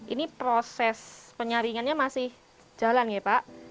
ini proses penyaringannya masih jalan ya pak